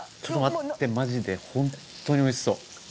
ちょっと待ってマジで。